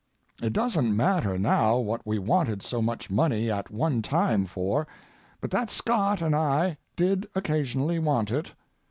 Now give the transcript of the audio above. It doesn't matter now what we wanted so much money at one time for, but that Scot and I did occasionally want it.